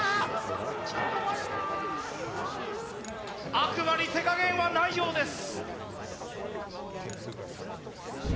悪魔に手加減はないようです。